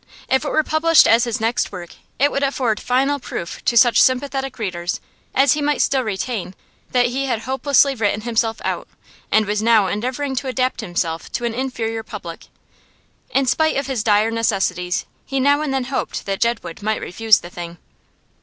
If it were published as his next work it would afford final proof to such sympathetic readers as he might still retain that he had hopelessly written himself out, and was now endeavouring to adapt himself to an inferior public. In spite of his dire necessities he now and then hoped that Jedwood might refuse the thing.